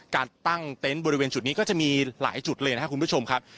การตั้งเต็นต์บริเวณจุดนี้ก็จะมีหลายจุดเลยนะครับคุณผู้ชมครับ